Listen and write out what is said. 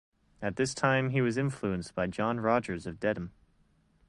At this time he was influenced by John Rogers of Dedham.